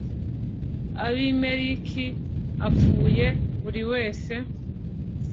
Abimeleki apfuye buri wese